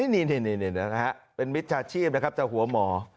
นี่เป็นมิจฉาชีพนะครับจะหัวหมอ